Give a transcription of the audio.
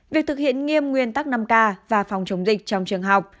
việc thực hiện nghiêm nguyên tắc năm k và phòng chống dịch trong trường học